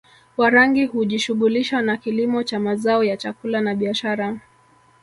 Warangi hujishughulisha na kilimo cha mazao ya chakula na biashara